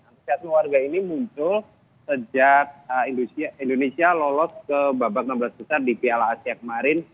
antusiasme warga ini muncul sejak indonesia lolos ke babak enam belas besar di piala asia kemarin